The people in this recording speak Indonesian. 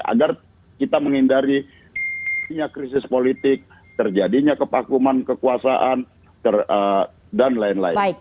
agar kita menghindari krisis politik terjadinya kepakuman kekuasaan dan lain lain